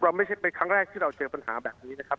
ไม่ใช่เป็นครั้งแรกที่เราเจอปัญหาแบบนี้นะครับ